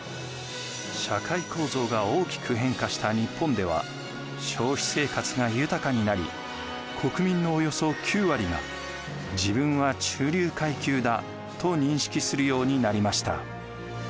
社会構造が大きく変化した日本では消費生活が豊かになり国民のおよそ９割が自分は中流階級だと認識するようになりました。